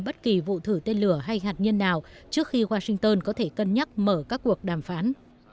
bất kỳ vụ thử tên lửa hay hạt nhân nào trước khi washington có thể cân nhắc mở các cuộc đàm phán